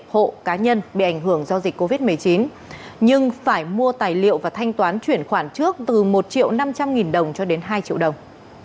hộ cá nhân bị ảnh hưởng do dịch covid một mươi chín nhưng phải mua tài liệu và thanh toán chuyển khoản trước từ một triệu năm trăm linh nghìn đồng cho đến hai triệu đồng